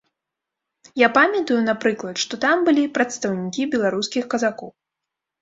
Я памятаю, напрыклад, што там былі прадстаўнікі беларускіх казакоў.